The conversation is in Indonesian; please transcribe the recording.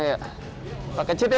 ini tuh rumitnya karena smallest